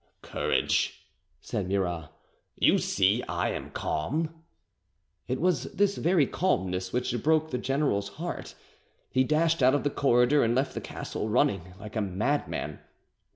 "Courage," said Murat. "You see I am calm." It was this very calmness which broke the general's heart. He dashed out of the corridor, and left the castle, running like a madman.